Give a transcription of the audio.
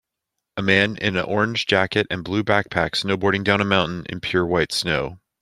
A man in a orange jacket and blue backpack snowboarding down a mountain in pure white snow.